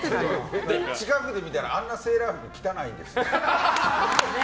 近くで見たらあんなにセーラー服汚いんですね。